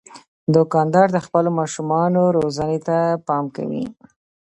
دوکاندار د خپلو ماشومانو روزنې ته پام کوي.